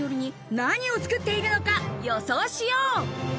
実況を頼りに、何を作っているのか予想しよう。